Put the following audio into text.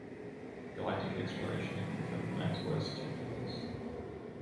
Galactic exploration had confirmed man's worst two fears.